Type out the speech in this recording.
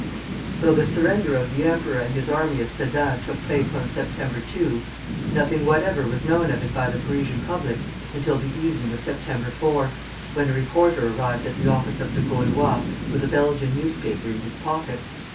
Though the surrender of the emperor and his army at Sedan took place on September 2, nothing whatever was known of it by the Parisian public until the evening of September 4, when a reporter arrived at the office of the "Gaulois" with a Belgian newspaper in his pocket.